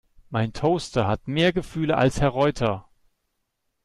Mein Toaster hat mehr Gefühle als Herr Reuter!